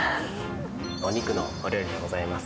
お肉のお料理がございます。